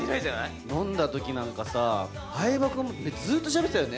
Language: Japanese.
飲んだときなんかさ、相葉君、ずっとしゃべってたよね。